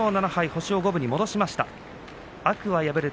星を五分に戻しました。